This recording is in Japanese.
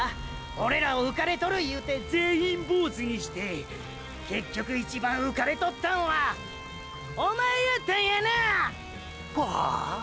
オレらをうかれとるいうて全員ボーズにして結局一番うかれとったんはおまえやったんやな！！プァ？